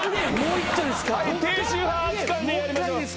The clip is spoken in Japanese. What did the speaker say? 低周波熱燗でやりましょう。